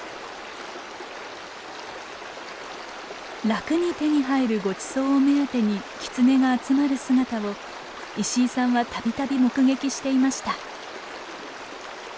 楽に手に入るごちそうを目当てにキツネが集まる姿を石井さんは度々目撃していました。